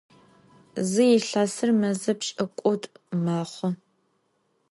Zı yilhesır meze pş'ık'ut'u mexhu.